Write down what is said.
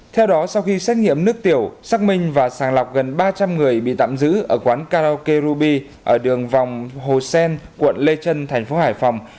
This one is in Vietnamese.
theo đó sau khi xét nghiệm nước tiểu xác minh và sàng lọc gần ba trăm linh người bị tạm giữ ở quán karaoke ruby ở đường vòng hồ sen quận lê trân thành phố hải phòng